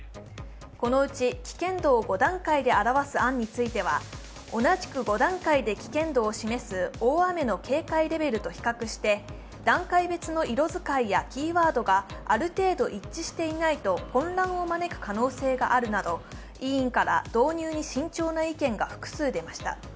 このうち危険度を５段階で表す案については、同じく５段階で危険度を示す大雨の警戒レベルと比較して、段階別の色使いやキーワードがある程度一致していないと混乱を招く可能性があるなど、委員から導入に慎重な意見が複数出ました。